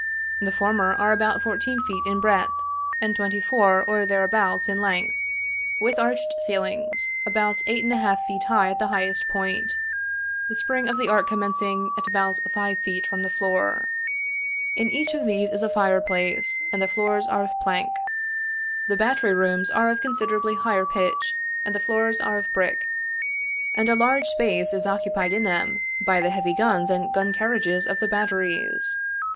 The former are about fourteen feet in breadth by twenty four or thereabouts in length, with arched ceilings about eight and a half feet high at the highest point, the spring of the arch commencing at about five feet from the floor. In each of these is a fire place, and the floors are of plank. The battery rooms are of considerably higher pitch, and the floors are of brick, and a large space is occupied in them by the heavy guns and gun carriages of the batteries.